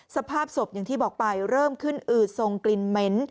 สภาพศพอย่างที่บอกไปเริ่มขึ้นอืดทรงกลิ่นเหม็น